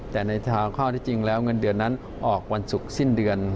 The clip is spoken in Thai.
แต่ในข้อที่จริงแล้วเงินเดือนนั้นออกวันศุกร์สิ้นเดือน